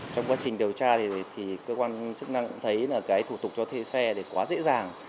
trong quá trình điều tra cơ quan chức năng thấy thủ tục thuê xe quá dễ dàng